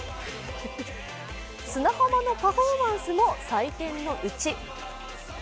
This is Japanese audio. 砂浜のパフォーマンスも採点のうち。